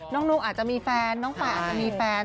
นุ๊กอาจจะมีแฟนน้องป่าอาจจะมีแฟน